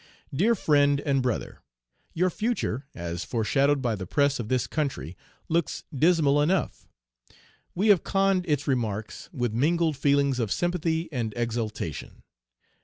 DEAR FRIEND AND BROTHER: Your future, as foreshadowed by the press of this country, looks dismal enough. We have conned its remarks with mingled feelings of sympathy and exultation.